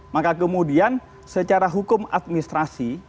maka kemudian secara hukum administrasi